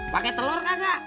pakai telur kagak